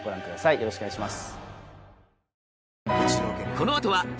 よろしくお願いします。